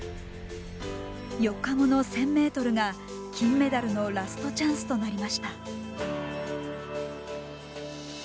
４日後の１，０００ｍが金メダルのラストチャンスとなりました。